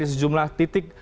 di sejumlah titik